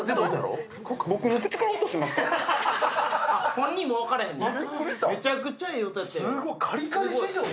本人も分からへんのや。